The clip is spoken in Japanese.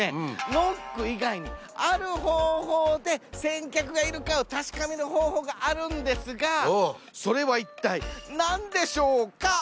ノック以外にある方法で先客がいるかを確かめる方法があるんですがそれは一体何でしょうか？